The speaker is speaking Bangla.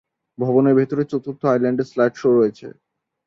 ভবনের ভেতরে চতুর্থ "আইল্যান্ডে" স্লাইড শো রয়েছে।